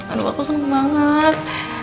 aduh aku seneng banget